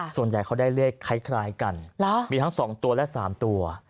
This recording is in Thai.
ส่วนใหญ่เขาได้เลขคล้ายกันมีทั้ง๒ตัวและ๓ตัว